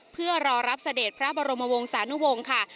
เพื่อรอรับเสด็จพระบรมวงศานุวงศ์ค่ะ